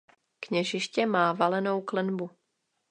Kněžiště má valenou klenbu.